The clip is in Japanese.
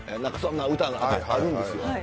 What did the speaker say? そんな歌があるんですよ。